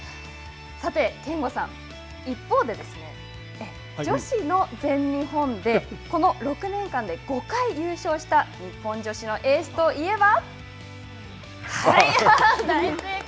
さて憲剛さん一方で女子の全日本でこの６年間で５回優勝した日本女子のエースといえば？